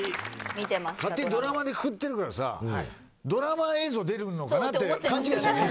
勝手にドラマでくくってるからさドラマ映像出るのかなって勘違いしちゃうね。